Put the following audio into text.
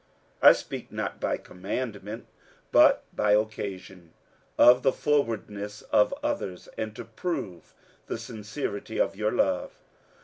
47:008:008 I speak not by commandment, but by occasion of the forwardness of others, and to prove the sincerity of your love.